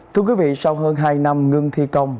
thưa quý vị sau hơn hai năm ngưng thi công